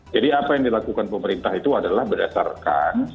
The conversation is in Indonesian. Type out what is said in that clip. jadi apa yang dilakukan pemerintah itu adalah berdasarkan